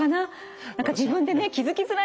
何か自分でね気付きづらいから。